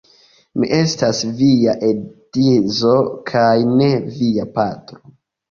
Mi estas via edzo kaj ne via patro.